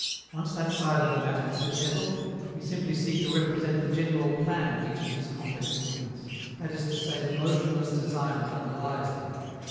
Once that side of the matter has been settled, we simply seek to represent the general plan of each of these complex movements, that is to say the motionless design that underlies them.